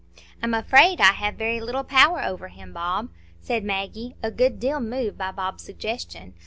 "I'm afraid I have very little power over him, Bob," said Maggie, a good deal moved by Bob's suggestion.